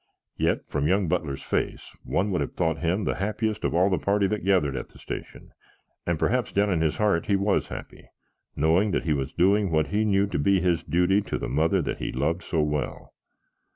Yet, from young Butler's face, one would have thought him the happiest of all the party that gathered at the station, and perhaps down in his heart he was happy, knowing that he was doing what he knew to be his duty to the mother that he loved so well.